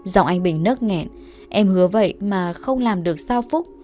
dòng anh bình nớt nghẹn em hứa vậy mà không làm được sao phúc